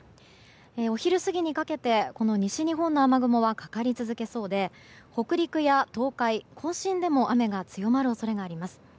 お昼過ぎにかけて西日本の雨雲はかかり続けそうで北陸や東海、甲信でも雨が強まる恐れがあります。